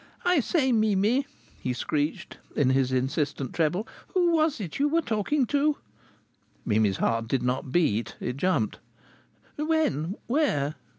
"I say, Mimi," he screeched in his insistent treble, "who was it you were talking to?" Mimi's heart did not beat, it jumped. "When? Where?"